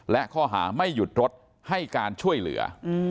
และข้อหาไม่หยุดรถให้การช่วยเหลือ